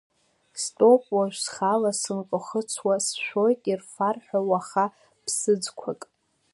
Стәоуп уажә схала сынкахәыцуа, сшәоит ирфар ҳәа уаха ԥсыӡқәак.